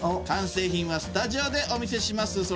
完成品はスタジオでお見せします。